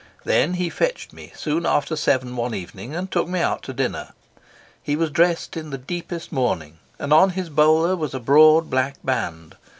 Then he fetched me soon after seven one evening and took me out to dinner. He was dressed in the deepest mourning, and on his bowler was a broad black band.